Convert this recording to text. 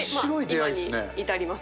今に至ります。